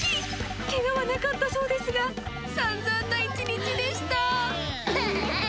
けがはなかったそうですが、散々な一日でした。